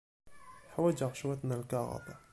Ḥwajeɣ cwiṭ n lkaɣeḍ.